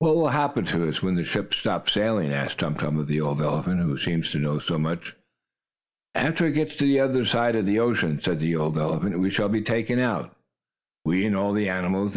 "What will happen to us, when the ship stops sailing?" asked Tum Tum of the old elephant, who seemed to know so much. "After it gets to the other side of the ocean," said the old elephant, "we shall be taken out we and all the animals.